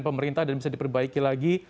pemerintah dan bisa diperbaiki lagi